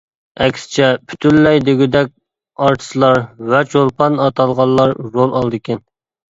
ئەكسىچە پۈتۈنلەي دېگۈدەك ئارتىسلار ۋە چولپان ئاتالغانلار رول ئالىدىكەن.